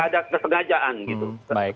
juga ada kesengajaan gitu